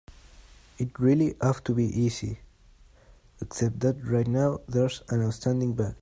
It really ought to be easy, except that right now there's an outstanding bug.